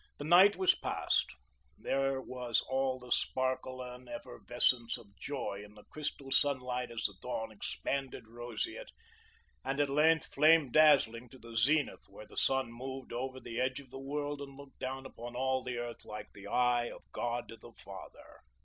The night was passed. There was all the sparkle and effervescence of joy in the crystal sunlight as the dawn expanded roseate, and at length flamed dazzling to the zenith when the sun moved over the edge of the world and looked down upon all the earth like the eye of God the Father.